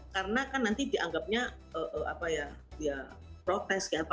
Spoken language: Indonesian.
karena kan nanti dianggapnya ya protes